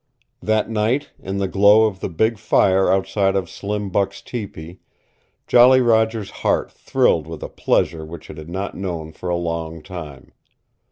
That night, in the glow of the big fire outside of Slim Buck's tepee, Jolly Roger's heart thrilled with a pleasure which it had not known for a long time.